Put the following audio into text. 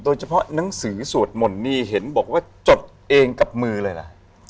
โดยเฉพาะหนังสือสวดมนต์นี่เห็นบอกว่าจดเองกับมือเลยล่ะ